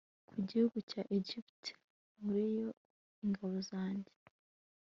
ku gihugu cya egiputa nkureyo ingabo zanjye